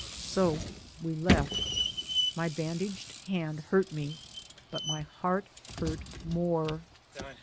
So we left. My bandaged hand hurt me, but my heart hurt more.